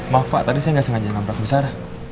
maaf pak tadi saya nggak sengaja nampak besar